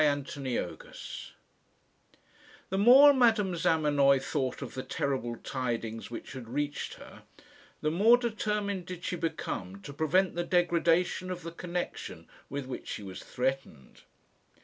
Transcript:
CHAPTER V The more Madame Zamenoy thought of the terrible tidings which had reached her, the more determined did she become to prevent the degradation of the connection with which she was threatened.